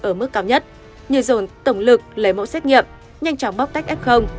ở mức cao nhất như dồn tổng lực lấy mẫu xét nghiệm nhanh chóng bóc tách f